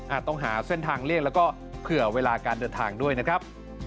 ต้องหาเส้นทางเลี่ยงแล้วก็เผื่อเวลาการเดินทางด้วยนะครับ